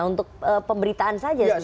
untuk pemberitaan saja sebenarnya